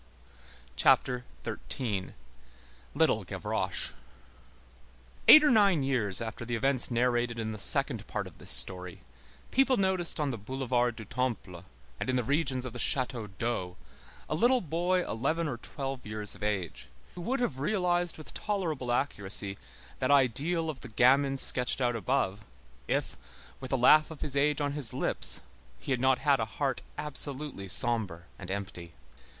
CHAPTER XIII—LITTLE GAVROCHE [Illustration: Little Gavroche] Eight or nine years after the events narrated in the second part of this story, people noticed on the Boulevard du Temple, and in the regions of the Château d'Eau, a little boy eleven or twelve years of age, who would have realized with tolerable accuracy that ideal of the gamin sketched out above, if, with the laugh of his age on his lips, he had not had a heart absolutely sombre and empty.